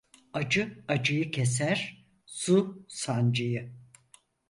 Acı acıyı keser, su sancıyı.